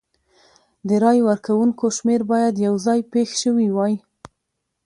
د رای ورکوونکو شمېر باید یو ځای پېښ شوي وای.